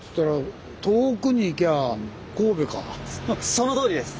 そのとおりです！